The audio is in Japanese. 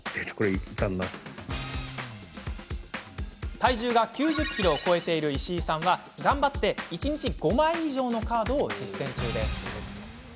体重が９０ｋｇを超えている石井さんは、頑張って１日５枚以上のカードを実践中。